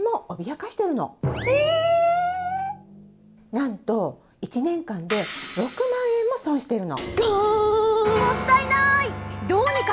なんと１年間で６万円も損しているの。